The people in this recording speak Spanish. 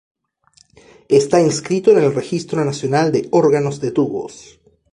Está inscrito en el Registro Nacional de Órganos de Tubos.